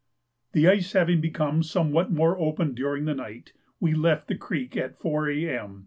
The ice having become somewhat more open during the night, we left the creek at 4 A.M.